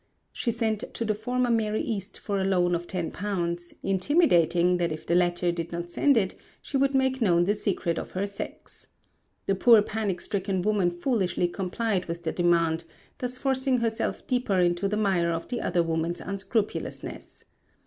She sent to the former Mary East for a loan of £10, intimating that if the latter did not send it she would make known the secret of her sex. The poor panic stricken woman foolishly complied with the demand, thus forcing herself deeper into the mire of the other woman's unscrupulousness.